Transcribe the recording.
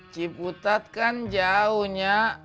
ciputat kan jauhnya